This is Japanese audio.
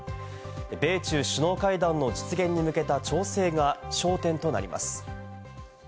米中首脳会談の実現に向けた調整が焦点となります。